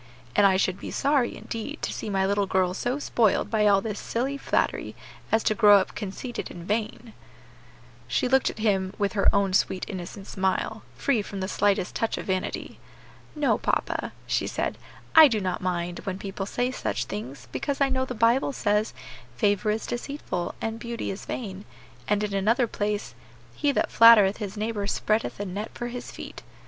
And I should be sorry, indeed, to see my little girl so spoiled by all this silly flattery as to grow up conceited and vain." She looked at him with her own sweet innocent smile, free from the slightest touch of vanity. "No, papa," she said, "I do not mind, when people say such things, because I know the Bible says, 'Favor is deceitful, and beauty is vain;' and in another place, 'He that flattereth his neighbor spreadeth a net for his feet.'